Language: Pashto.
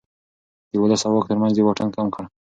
د ولس او واک ترمنځ يې واټن کم کړ.